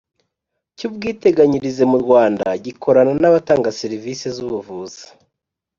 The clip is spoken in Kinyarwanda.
Cy ubwiteganyirize mu rwanda gikorana n abatanga serivisi z ubuvuzi